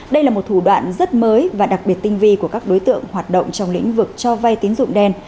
đây là một thủ đoạn rất mới và đặc biệt tinh vi của các đối tượng hoạt động trong lĩnh vực cho vay tín dụng đen